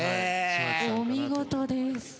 お見事です。